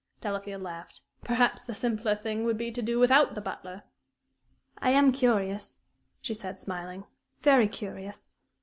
Delafield laughed. "Perhaps the simpler thing would be to do without the butler." "I am curious," she said, smiling "very curious.